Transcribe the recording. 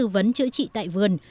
vẫn chữa trị tại vườn